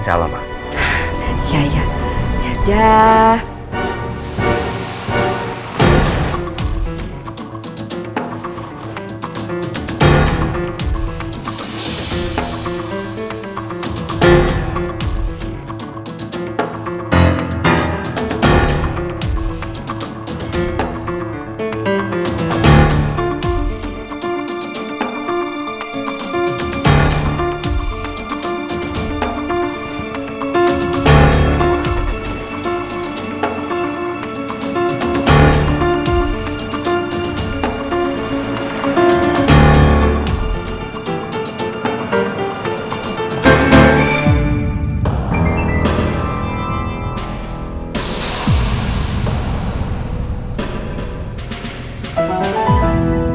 terima kasih ma